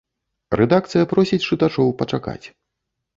Рэдакцыя просіць чытачоў пачакаць.